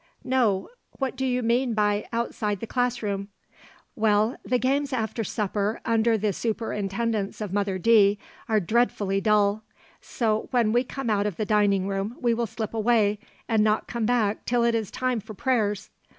'No. What do you mean by "outside the class room"?' 'Well, the games after supper under the superintendence of Mother D. are dreadfully dull. So when we come out of the dining room we will slip away, and not come back till it is time for prayers.